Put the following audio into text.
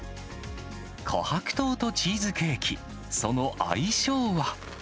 こはく糖とチーズケーキ、その相性は。